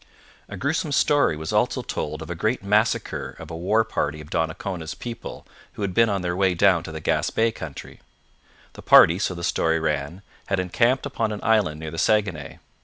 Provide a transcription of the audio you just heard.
A gruesome story was also told of a great massacre of a war party of Donnacona's people who had been on their way down to the Gaspe country. The party, so the story ran, had encamped upon an island near the Saguenay.